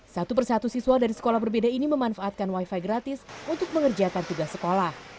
satu persatu siswa dari sekolah berbeda ini memanfaatkan wifi gratis untuk mengerjakan tugas sekolah